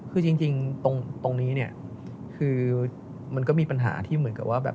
คือจริงตรงนี้มันก็มีปัญหาที่เหมือนกับว่า